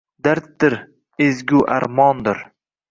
Darddir, ezgu armondir.